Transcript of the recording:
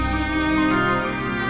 terus berutangku sayang